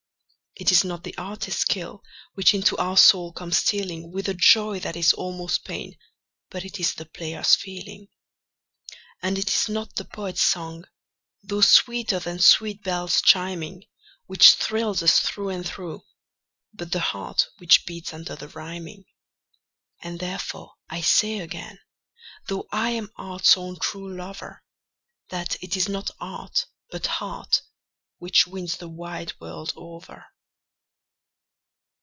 It is not the artist's skill which into our soul comes stealing With a joy that is almost pain, but it is the player's feeling. And it is not the poet's song, though sweeter than sweet bells chiming, Which thrills us through and through, but the heart which beats under the rhyming. And therefore I say again, though I am art's own true lover, That it is not art, but heart, which wins the wide world over.